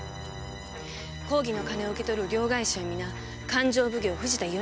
公儀の金を受け取る両替商は皆勘定奉行・藤田伊予